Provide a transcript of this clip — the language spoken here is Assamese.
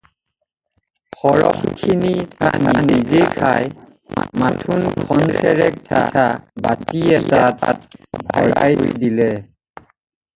সৰহখিনি পিঠা নিজে খাই, মাথোন খনচেৰেক পিঠা বাটি এটাত ভৰাই থৈ দিলে।